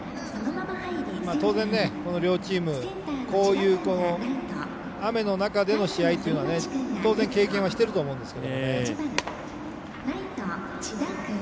当然、この両チームこういう雨の中での試合というのは当然経験はしていると思うんですが。